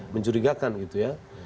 mencurigakan gitu ya